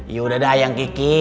yaudah dah ayang kiki